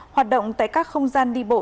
hoạt động tại các không gian đi bộ